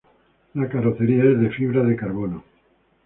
La carrocería es de fibra de carbono.